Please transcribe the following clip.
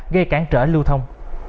gây cản trở lưu thông